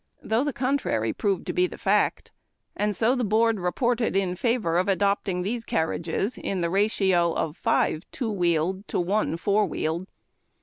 303 (though the contrary proved to be the fact), and so the board reported in favor of adopting these carriages in the ratio of five two wheeled to one four wheeled.